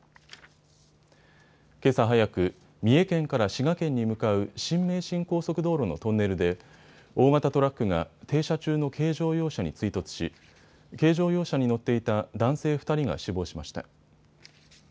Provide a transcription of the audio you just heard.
けさ早く三重県から滋賀県に向かう新名神高速道路のトンネルで大型トラックが停車中の軽乗用車に追突し軽乗用車に乗っていた男性２人が死亡しました。